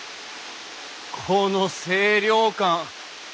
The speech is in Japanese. この清涼感。